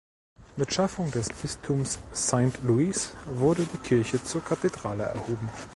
Mit Schaffung des Bistums Saint Louis wurde die Kirche zur Kathedrale erhoben.